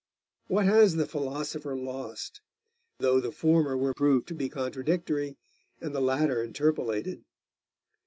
What has the philosopher lost, though the former were proved to be contradictory, and the latter interpolated?